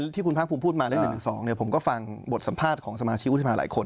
ที่คุณพทธิ์พูดมาละเรื่องใน๑๒ผมก็ฟังบทสัมภาษณ์ของสมาชิวอุทธมาหลายคน